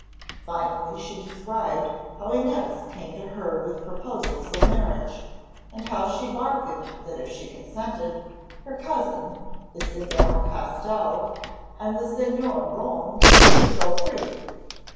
Finally she described how Inez came to her with proposals of marriage, and how she bargained that if she consented, her cousin, the Señor Castell, and the Señor Brome should go free.